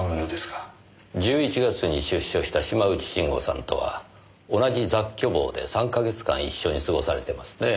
１１月に出所した島内慎吾さんとは同じ雑居房で３か月間一緒に過ごされてますね。